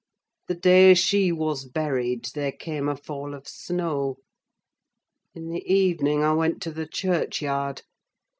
The day she was buried, there came a fall of snow. In the evening I went to the churchyard.